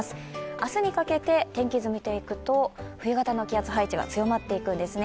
明日にかけて天気図を見ていくと、冬型の気圧配置が強まっていくんですね。